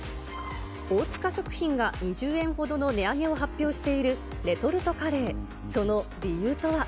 大塚食品が２０円ほどの値上げを発表しているレトルトカレー、その理由とは。